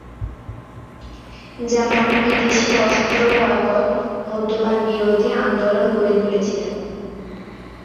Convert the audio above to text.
যেমন বিদেশি বস্ত্র বয়কট, মদ্যপান বিরোধী আন্দোলন গড়ে তুলেছিলেন।